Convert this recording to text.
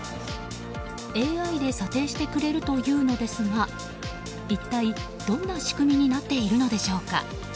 ＡＩで査定してくれるというのですが一体、どんな仕組みになっているのでしょうか。